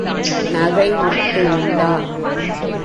நகை நட்டு உண்டா?